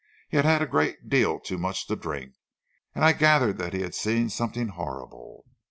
He had had a great deal too much to drink, and I gathered that he had seen something horrible.